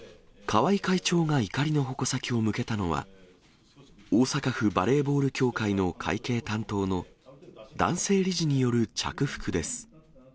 川合会長が怒りの矛先を向けたのは、大阪府バレーボール協会の会計担当の男性理事による着服です。